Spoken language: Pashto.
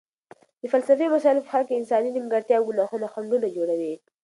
د فلسفي مسایلو په حل کې انساني نیمګړتیاوې او ګناهونه خنډونه جوړوي.